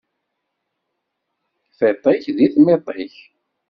Tiṭ-ik di tmiḍt-ik.